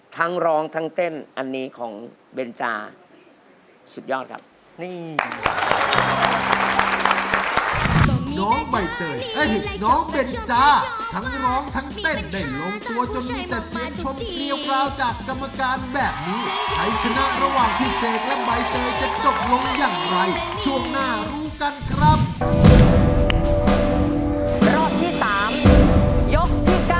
ทั้งร้องทั้งเต้นอันนี้ของเบนจาสุดยอดครับ